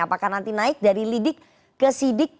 apakah nanti naik dari lidik ke sidik